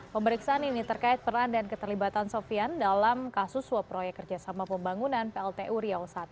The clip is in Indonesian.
pemeriksaan ini terkait peran dan keterlibatan sofian dalam kasus suap proyek kerjasama pembangunan pltu riau i